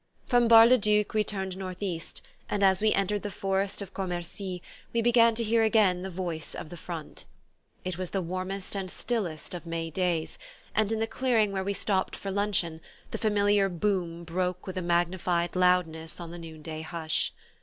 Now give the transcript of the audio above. From Bar le Duc we turned northeast, and as we entered the forest of Commercy we began to hear again the Voice of the Front. It was the warmest and stillest of May days, and in the clearing where we stopped for luncheon the familiar boom broke with a magnified loudness on the noonday hush.